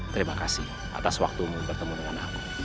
terima kasih atas waktumu bertemu dengan aku